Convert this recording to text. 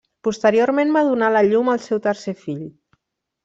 Posteriorment va donar la llum al seu tercer fill.